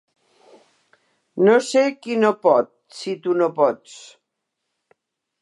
No sé qui no pot, si tu no pots.